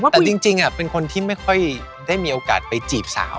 แต่จริงเป็นคนที่ไม่ค่อยได้มีโอกาสไปจีบสาว